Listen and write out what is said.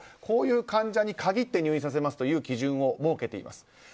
こういう患者に限って入院させますという基準を設けています。